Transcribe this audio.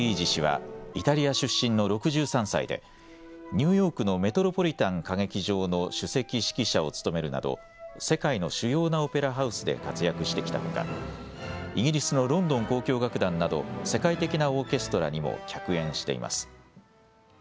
ニューヨークのメトロポリタン歌劇場の首席指揮者を務めるなど世界の主要なオペラハウスで活躍してきたほかイギリスのロンドン交響楽団など世界的なオーケストラにも客演しています。